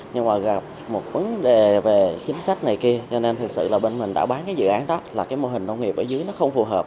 nhưng mà gặp một vấn đề về chính sách này kia cho nên thực sự là bên mình đã bán cái dự án đó là cái mô hình nông nghiệp ở dưới nó không phù hợp